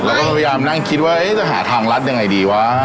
เราก็พยายามนั่งคิดว่าจะหาทางรัดยังไงดีวะ